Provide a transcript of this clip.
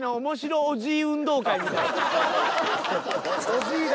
おじいだ。